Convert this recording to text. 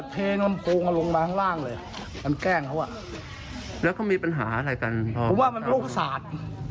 ผมว่ามันโรคศาสตร์